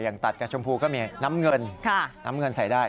อย่างตัดกับชมพูก็มีน้ำเงินใส่ได้